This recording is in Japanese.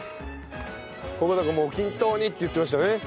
ここだから均等にって言ってましたね。